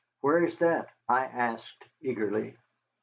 "Where is that?" I asked eagerly.